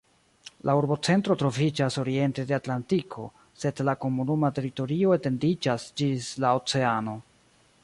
La urbocentro troviĝas oriente de Atlantiko, sed la komunuma teritorio etendiĝas ĝis la oceano.